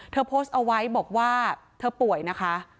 เธอโพสต์เอาไว้บอกว่าเธอป่วยนะคะ